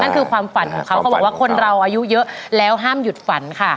คือความฝันของเขาเขาบอกว่าคนเราอายุเยอะแล้วห้ามหยุดฝันค่ะ